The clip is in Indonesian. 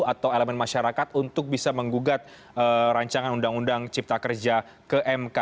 atau elemen masyarakat untuk bisa menggugat rancangan undang undang cipta kerja ke mk